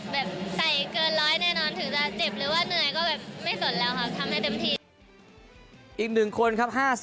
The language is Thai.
ใส่เกินร้อยแน่นอนถึงจะเจ็บหรือว่าเหนื่อยก็แบบไม่สนแล้วค่ะทำให้เต็มที่อีก๑คนครับ